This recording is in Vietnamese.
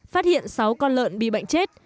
phát hiện sáu con lợn bị bệnh chết